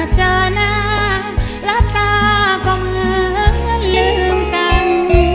เจอหน้ารับตาก็เหมือนลืมกัน